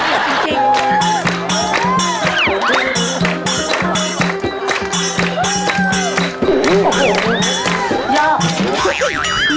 โอ้โฮยอบ